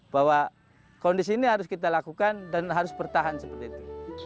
bahwa kondisi ini harus kita lakukan dan harus bertahan seperti itu